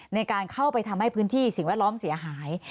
ในการเข้าไปทำให้พื้นที่สิ่งแวดล้อมเสียหาย